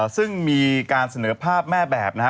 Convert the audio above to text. ซึ่งมีการเสนอภาพแม่แบบนะฮะ